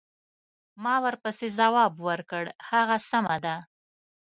ما ورپسې ځواب ورکړ: هغه سمه ده.